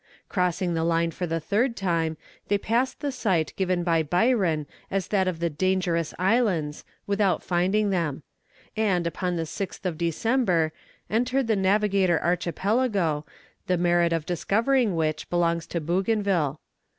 Crossing the line for the third time, they passed the site given by Byron as that of the Dangerous Islands, without finding them; and, upon the 6th of December, entered the Navigator Archipelago, the merit of discovering which belongs to Bougainville.